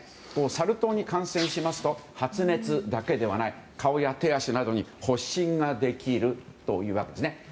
サル痘に感染しますと発熱だけではなく顔や手足などに発疹ができるというわけですね。